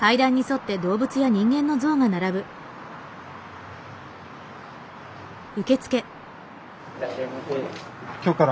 いらっしゃいませ。